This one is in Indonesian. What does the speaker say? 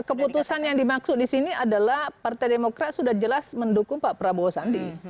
keputusan yang dimaksud di sini adalah partai demokrat sudah jelas mendukung pak prabowo sandi